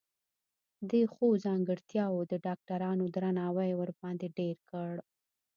دې ښو ځانګرتياوو د ډاکټرانو درناوی ورباندې ډېر کړ.